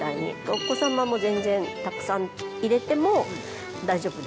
お子様も全然たくさん入れても大丈夫な。